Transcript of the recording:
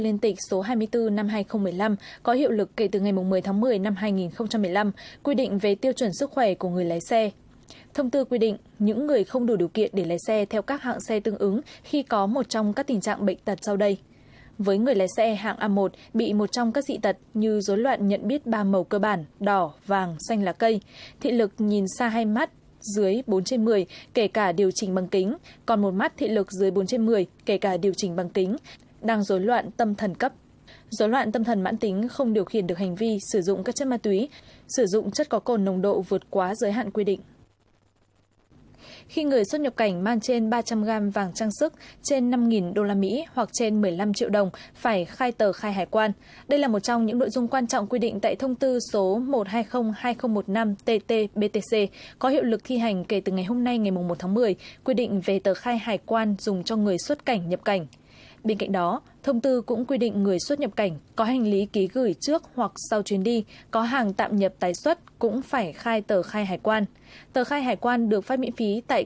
bên cạnh đó thông tư cũng quy định người xuất nhập cảnh có hành lý ký gửi trước hoặc sau chuyến đi có hàng tạm nhập tái xuất cũng phải khai tờ khai hải quan tờ khai hải quan được phát miễn phí tại cửa khẩu sân bay quốc tế